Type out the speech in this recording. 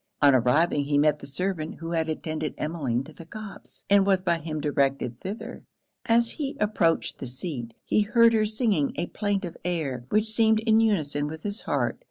On arriving, he met the servant who had attended Emmeline to the copse, and was by him directed thither. As he approached the seat, he heard her singing a plaintive air, which seemed in unison with his heart.